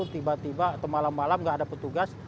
tiba tiba atau malam malam nggak ada petugas